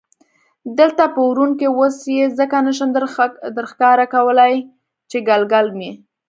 دلته په ورون کې، اوس یې ځکه نه شم درښکاره کولای چې ګلګل مې.